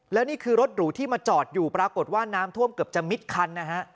แล้วนี่คือรถหรูที่มาจอดอยู่ปรากฏว่าน้ำท่วมเกือบจะมิดคันนะฮะ